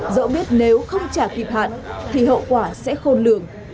dẫu biết nếu không trả kịp hạn thì hậu quả sẽ khôn lường